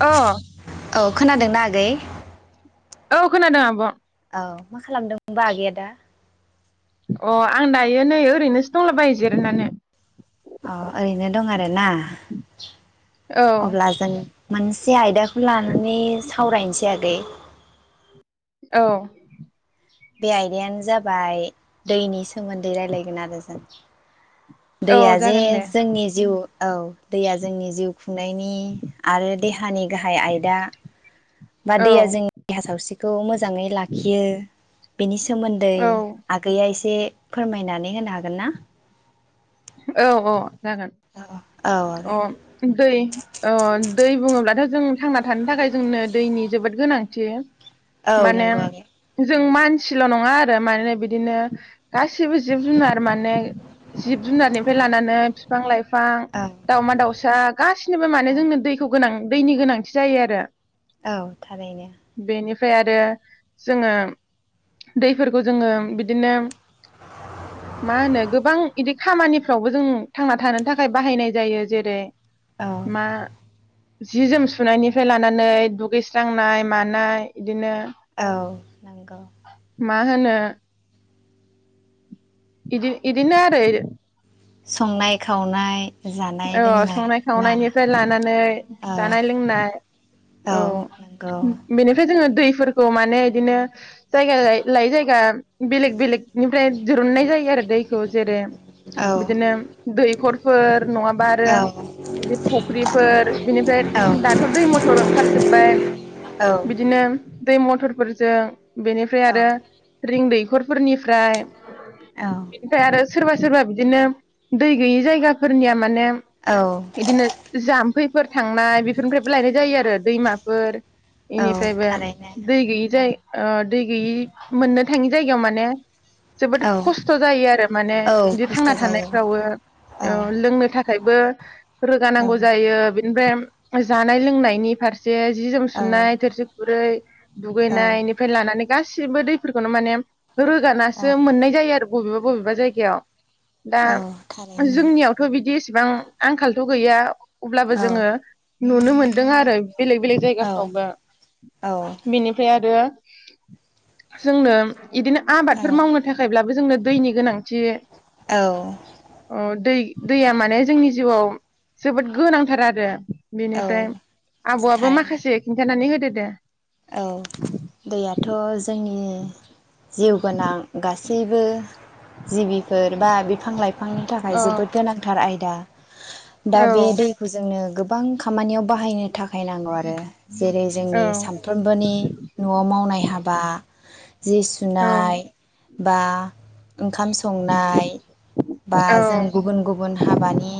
अ औ खोनादोंना आगै। औ खोनादों आब' औ मा खालामदोंबा आगैया दा? अ आं दायो नै ओरैनोसो दंला बायो जिरनानै। अ ओरैनो दं आरोना औ अब्ला जों मोनसे आयदाखौ लानानै साव सावरायनोसै आगै औ बे आयदायानो जाबाय दैनि सोमोन्दै रायलायगोन आरो जों औ दैया जे जागोन दे जोंनि जिउ औ दैया जोंनि जिउ खुंनायनि आरो देहानि गाहाय आयदा बा औ दैया जोंनि देहा सावस्रिखौ मोजाङै लाखियो। बेनि सिख सोमोन्दै औ आगैया एसे फोरमायनानै होनो हागोन ना। औ औ जागोन औ औ आगै अ दै [unintelligible] दै बुङोब्लाथ' जों थांना थानो थाखाय जोंनो दैनि जोबोद गोनांथि। औ माने नंगौ आगै। जों मानसिल' नङा आरो मानोना बिदिनो गासिबो जिब जुनार माने जिब जुनारनिफ्राय लानानै फिफां लाइफां औ दाउमा दाउसा गासिनिबो औ माने जोंनो दैखौ गो गोनां दैनि गोनांथि जायो आरो औ थारैनो ओमफ्राय आरो जोङो दैफोरखौ जोङो बिदिनो मा होनो गोबां इदि खामानिफ्रावबो जों थांना थानो थाखाय बाहायनाय जायो जेरै- औ मा जि जोम सुनायनिफ्राय लानानै दुगैस्रांनाय मानाय बिदिनो औ नंगौ। मा होनो। इदि इदिनो आरो संनाय खावनाय जानाय औ लोंनाय संनाय ना खावनायनिफ्राय लानानै औ जानाय लोंनाय औ बेनिफ्राय जोङो दै। फोरखौ माने बिदिनो जायगा लाय लायै जायगा बेलेक बेलेक। दुननाय जायो आरो दैखौ जेरै औ बिदिनो दैखरफोर नङाबा आरो औ बिदि फुख्रिफोर बिनिफ्राय औ दाथ दै मथर ओंखार जोबबाय औ बिदिनो दै मथर फोरजों। बेनिफ्राय आरो औ रिंन्दै खरफोरनिफ्राय बेनिफ्राय आरो सोरबा सोरबा बिदिनो दै गैयि जायगाफोरनिया माने। औ बिदिनो जाम्फै। फोर थांनाय बेफोरनिफ्रायबो लायनाय जायो आरो दैमाफोर। औ बेनिफ्रायबो थारैनो दै गैयि जाय औ ओ दै गैयि मोननो थाङि जायगायाव माने जोबोद औ खस्थ जायो आरो माने औ बिदि खस्थ' थांना जायो थानायफ्रावबो औ लोंनो थाखाय [inaudible] [unintelligible] रोगानांगौ औ जायो बिद ओमफ्राय जानाय लोंनायनि फार जे जि जोम औ सुनाय थोरसि खुरै औ दुगैनायनिफ्राय लानानै गासिबो दैफोरखौनो माने रोगाना सो मोननाय जायो आरो। बबेबा बबेबा जायगायाव दा औ थारैनो जोंनियावथ बिदि बिसिबां आंखालथ गैया अब्लाबो औ जोङो नुनो मोनदों आरो बेलेग बेलेग औ जायगाफ्रावबो औ बेनिफ्राय आरो जोंनो बिदिनो फोर मावनो थाखायब्ला जोंनो दैनि गोनां। जे अ दै दैया माने जोंनि जिउआव जोबोद गोनांथार आरो । औ बेनिफ्राय आब'आबो थारैनो माखासे खिन्थानानै होदो थि दे। औ दैयाथ' जोंनि उम जिउ गोनां गासै गासैबो जिबिफोर [unintelligible] बिफां लाइफांनि थाखाय औ जोबोद गोनांथार आय दा दा बे औ दैखौ जोंनो गोबां गोबां खामानियाव बाहायनो थाखाय बाहायनांगौ आरो जेरै औ जोंनि साम। बोनि न'आव मावनाय हाबा जि औ सुनाय बा ओंखाम संनाय, बा औ जों गुबुन गुबुन हाबानि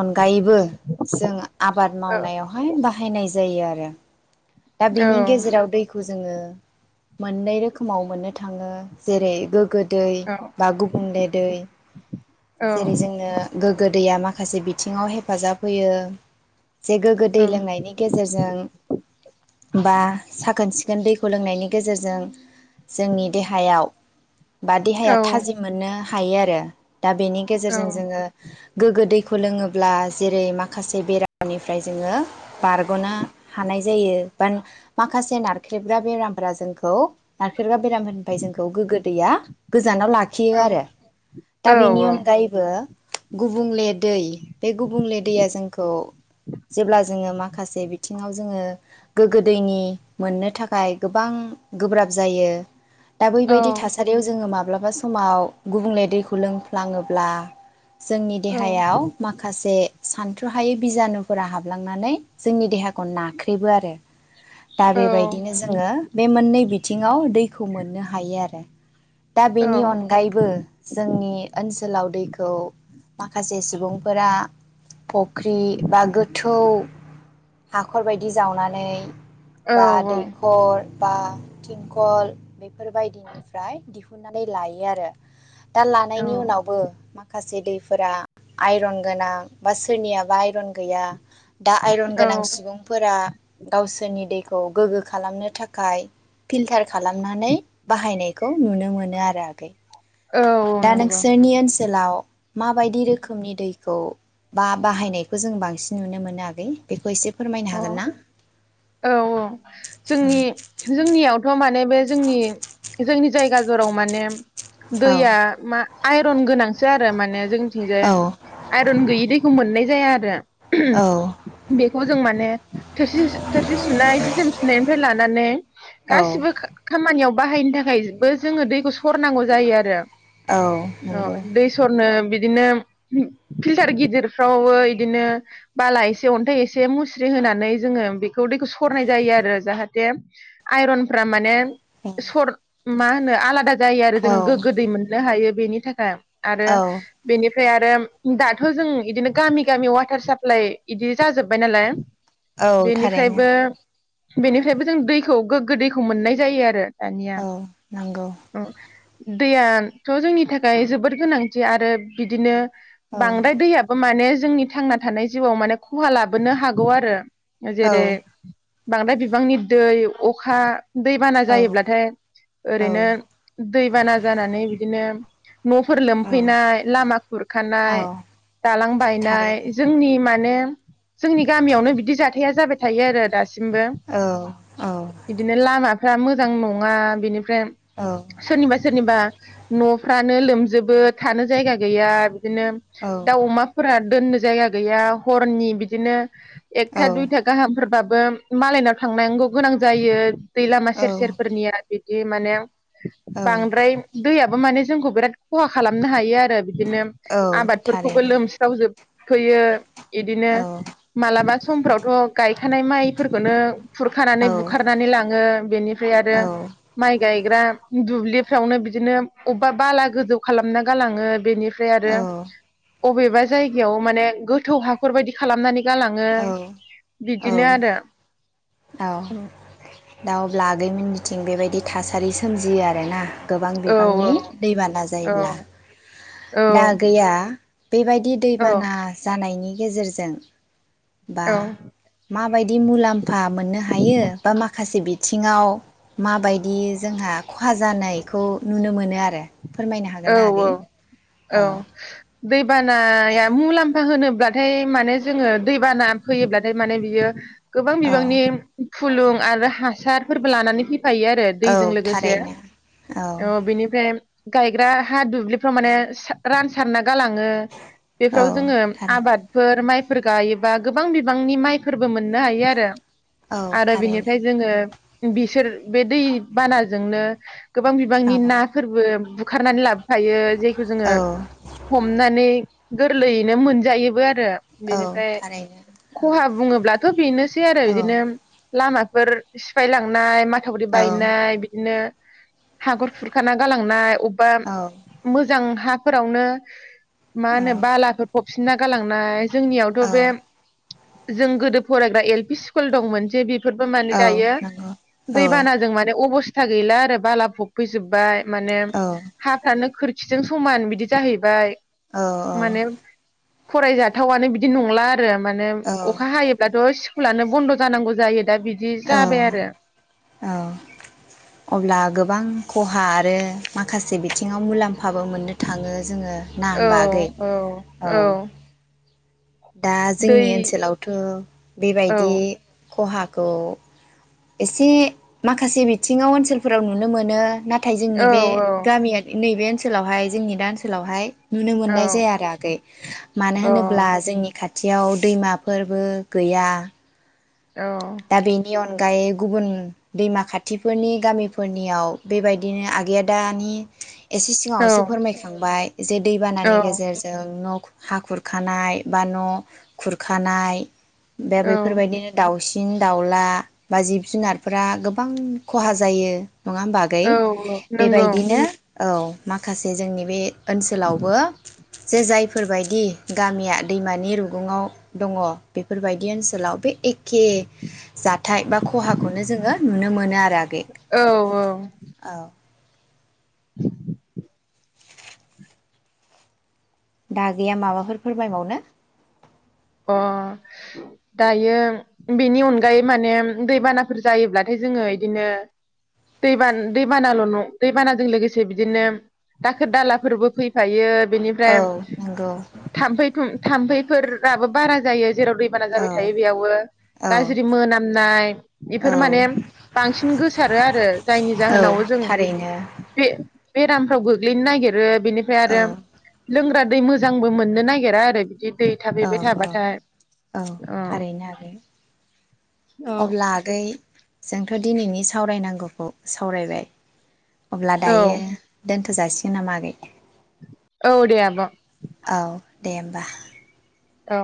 अनगायैबो जों आबाद औ मावनायावहाय बाहायनाय ज जायो आरो दा औ बेनि गेजेराव दैखौ जोंङो मोननै रोखोमाव मोननो। थांङो जेरै गोग्गो दै औ बा गुबले दै जेरै औ जोङो गोग्गो दैया माखासे बिथिङाव हेफाजाब होयो। जे गोग्गो दै औ लोंनायनि गेजेरजों बा साखोन सिखोन दैखौ लोंनायनि गेजेरजों जोंनि देहायाव बा देहाया औ थाजिम मोनो। हायो आरो। दा बेनि औ गेजेरजों जोङो गोग्गो दैै दैखौ लोङोब्ला जेरै माखासे बेरामनिफ्राय जोङो बारग'नो हानाय जायो। नाख्रेबग्रा बेरामफोरा जोंखौ, नारख्रेबग्रा बेराम होनबाय जोंखौ गोग्गो दैया जानाव लाखियो आरो दा बेनि औ अनगायैबो गुबुंले दै बे गुबुंले दैया जोंखौ जेब्ला जोङो माखासे बिथिङाव जोङो गोग्गो दैनि मोननो थाखाय गोबां गोब्राब जायो। दा बैबायदि थासारियाव जोङो माबा। ब्लाबा समाव गुबुंले दैखौ लोंफ्लाङोब्ला जोंनि देहायाव माखासे सानथु हायै बिजानुफोरा हाबलांनानै जोंनि देहाखौ नाख्रेबो आरो। दा बेबायदिनो जोङो बे मोननै बिथिङाव दैखौ मोननो हायो आरो। दा बेनि अनगायैबो जोंनि ओनसोलाव दैखौ माखासे सुबुंफोरा फख्रि बा गोथौ। हाखरबायायदि जावनानै। बा औ दैखर बा थिंखल बे फोरबायदिनिफ्राय दिहु फुनानै लायो आरो। दा लानायनि उनावबो माखासे। जे दैफोरा आइरन गोनां बा सोरनियाबा आइरन। गैया दा आइरन औ गोनां सुबुंफोरा जोंनि दैखौ गोग्गो खालामनो थाखाय फिल्टार खालामनानै बाहायनायखौ नुनो मोनो आरो आगै। औ दा नंगौ नोंसोरनि ओनसोलाव माबायदि रोखोमनि दै खौ बा बाहायनायखौ जों बांसिन नुनो मोनो आगै बेखौ एसे फोरमायनो अ हागोन ना? औ औ औ जोंनि जोंनियावथ' माने बे जोंनि जोंनि जायगाजराव माने। दैया मा आइरन गोनांसो आरो माने जोंनिथिंजाय औ आयरन गैयि दैखौ मोननाय जाया आरो। औ [inaudible] बेखौ जों माने थोरसि थ सुनाय जि जोम सुनायनिफ्राय लानानै गासिबो खामानियाव बाहायनो थाखायबो जोङो दैखौ सरनांगौ जायो आरो। औ औ नंगौ दै सरनो बिदि इदिनो होम फिल्टार गिदिरफ्रावबो इदिनो बाला एसे अन्थाइ एसे मुस्रि होनानै जोङो बि बेखौ दैखौ सरनाय जायो आरो जाहाथे आइरनफ्रा माने सर मा होनो आलादा जायो आरो औ जों गोग्गो औ दै मोननो हायो बेनि थाखाय आरो औ बेनि ओमफ्राय आरो दाथ जों इदिनो गामि गामि वाटार साप्लाइ इदि जाजोब्बाय नालाय औ थार फ्रायबो बेनिफ्रायबो जों दैखौ गोग्गो दैखौ मोननाय जायो आरो दानिया औ नंगौ औ दैयाथ' जोंनि थाखाय जोबोद गोनांथि आरो बिदिनो औ बांद्राय दैयाबो माने जोंनि थांना थानाय जिउआव माने खहा लाबोनो हागौ आरो। जेरै औ बांद्राय बिबांनि दै अखा दैबाना औ जायोब्लाथाय ओरैनो दैबाना जानानै बिदिनो न'फोर औ लोमफैनाय लामा औ खुरखानाय दालां बायनाय थारैनो जोंनि माने नेम जोंनि गामियावनो बिदि जाथाया जाबाय थायो आरो दा सिमबो औ औ बिदिनो लामा। फा मोजां नङा बिनि बे औ सोरनिबा सोरनिबा नफ्रानो लोमजोबो थानो जायगा गैया बिदिनो औ दाउ अमाफोरा दोननो जायगा गैया हरनि बिदिनो औ एकथा दुइथा फोरबाबो मालायनाव थांनांगौ गोनां जायो दैलामा सेरसेेरफोरनिया बे दि माने औ बांद्राय दैया। माने जोंखौ बिराद खहा खालामनो हायो आरो बिदिनो औ आबादफोरखौबो थारैनो लोमस्रावजोबफैयो इदिनो औ मालाबा समफ्रावथ गायखानाय माइफोरखोनो औ खुरखानानै बुखारनानै लाङो बेनिफ्राय औ आरो माइ गायग्रा दुब्लि फ्रावनो बिदिनो अबेबा बाला गोजौ खालामना गालाङो बेनि फ्राय आरो अबेबा जायगायाव माने गोथौ हाखरबायदि खालामनानै जालाङो औ बिदिनो आरो औ दा अब्ला आगैमोननिथिं बेबायदि थासारि सोमजियो आरोना गोबां औ बिबांनि दैबाना जायोब्ला औ औ दा गैया बेबायदि औ दैबाना जानायनि। गेजेरजों बा औ मा बाय मुलाम्फा। फा मोननो हायो बा माखासे बिथिङाव माबायदि जोंहा खहा जानायखौ नुनो मोनो आरो आरो फोरमायनो हागोन औ ना आगै औ औ दैबानाया मुलाम्फा होनोब्लाथाय माने जोङो दैबाना फैयोब्लाथाय माने बियो गोबां औ बिबांनि फुलुं आरो हासारफोरबो लानानै फै खायो आरो औ दैजों लोगोसे थारैनो औ अ बेनिफ्राय गायग्रा हा दुब्लिफ्राव माने रानसारना गालाङो औ बेफ्राव जोङो थारैनो आबादफोर माइ फोर गायोबा गोबां बिबांनि माइफोरबो मोननो हायो आरो औ आरो थारैनो बिनिफ्राय जोङो बिसोर बे दै बानाजोंनो गोबां बिबांनि औ नाफोरबो बुखारनानै लाब थायो जायखौ जोङो औ हमनानै गोरलैयैनो मोनजायोबो आरो औ बेनिफ्राय थारैनो औ खहा बुङोब्लाथ' बेनोसै आरो औ बिदिनो लामा फोर सिफायलांनाय माखासे माथावरि औ बायनाय बिदिनो हागर खुरखाना गालांनाय अबेबा औ मोजां हा। फोरावनो मा औ होनो बालाखौ फब फिनना गालांनाय जोंनि आवथ बे जों गोदो फरायग्रा एल पि स्कुल दंमोन जे बेफोरबो औ माने दायो नंगौ औ दैबानाजों माने अबस्थ फिथसा गैला आरो बाला फब फैजोब्बाय। माने। औ हाफ्रानो खोर [unintelligible] समान बिदि जाहैबाय माने औ फरायजाथावानो बिदि नंला आरो माने औ अखा हायोब्लाथ स्कुलानो बन्द जानांगौ जायो। दा बिदि औ जाबाय आरो औ अब्ला गोबां खहा आरो माखासे बिथिङाव मुलाम फाबो मोननो थाङो जोङो ना औ आगै औ औ। दा दै जोंनि ओनसोलावथ' औ बेबायदि खहा। खौ एसे माखासे बिथिङाव ओनसोलफोराव नुनो मोनो। नाथाय जोंनि औ बे गामिया नैबे ओनसोलावहाय जोंनि दा ओनसोलावहाय नुनो औ मोननाय जाया आरो आगै मानो औ होनोब्ला जोंनि खाथि खाथियाव दैमाफोरबो गैया। औ दा बेनि अन गायै गुबुन दैमा खाथिफोरनि गामिफोरनियाव बेबायदिनो आगैआ दानि एसे सिगाङावसो फोरमायखांबाय जे औ दैबानानि गेजेरजों न'। हा खुरखानाय बा न' खुरखानाय बे औ बेफोरबायदिनो दाउ। सिन दाउला बा जिब जुनारफोरा गोबां खहा जायो। नङा होमबा आगै औ नंगौ बेबायदिनो औ माखासे जोंनि बे ओनसोलावबो जे जायफोरबायदि गामिया दैमानि रुगुङाव दङ बेफोरबायदि ओनसोलाव बे। एके। जाथाय बा खहाखौनो जोङो नुनो मोनो आरो आगै औ औ। औ दा आगैया माबाफोर फोर फोरमाय बावनो अ दायो बेनि अनगायै माने दैबानाफोर जायोब्लाथाय जोङो इदिनो दैबान दैबानाल' न दैबानाजों लोगोसे बिदिनो दाखोर दालाफोरबो फैफायो औ बेनिफ्राय नंगौ थाम्फै थुम थाम्फैफोर राबो बारा जायो जेराव दैबाना औ जाबाय थायो बेयावबो औ गाज्रि मोनामनाय बेफोर औ माने बांसिन गोसारो आरो जायनि औ जाहोनावबो जों थारैनो बे बेरामफोराव गोग्लैनो नागिरो। बेनिफ्राय औ आरो लोंग्रा दै मोजांबो मोननो नागिरा आरो बिदि दै औ थाफैबाय औ थाबाथाय औ थारैनो आगै अब्ला आगै जोंथ दिनैनि सावरायनांगौखौ सावरायबाय। अब्ला औ दायो दोनथ जासिगोन नामा आगै? औ दे आब'। औ दे होमबा औ